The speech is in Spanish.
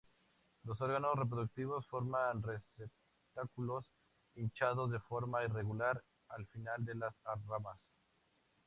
Los órganos reproductivos forman receptáculos hinchados, de forma irregular, al final de las ramas.